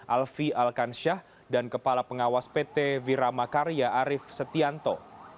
alfi alkansyah dan kepala pengawas pt wirama karya arief setianto